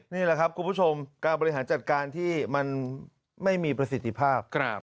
นี่แหละครับคุณผู้ชมการบริหารจัดการที่มันไม่มีประสิทธิภาพ